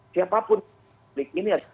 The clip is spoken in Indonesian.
siapapun di publik ini